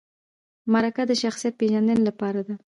مرکه د شخصیت پیژندنې لپاره ده